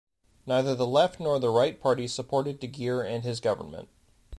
Neither the left nor the right parties supported De Geer and his government.